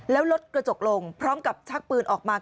แล้วรถกระจกลงพร้อมกับชักปืนออกมา